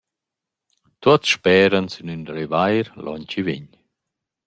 Tuots speran sün ün revair l’on chi vegn.